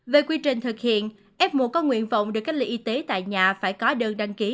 về quy trình thực hiện f một có nguyện vọng được cách ly y tế tại nhà phải có đơn đăng ký